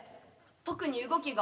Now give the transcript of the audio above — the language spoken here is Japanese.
特に動きが。